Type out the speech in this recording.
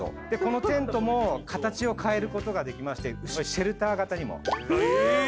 でこのテントも形を変えることができましてシェルター型にも。え！